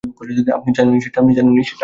আপনি জানেনই সেটা, স্যার।